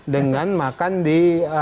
dengan makan di